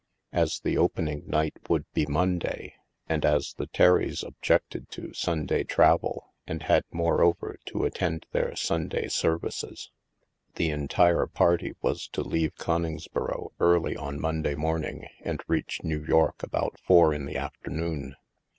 As the opening night would be Monday, and as the Terrys objected to Sunday travel and had, moreover, to attend their Sunday services, the entire party was to leave Con ingsboro early on Monday morning and reach New York about four in the afternoon.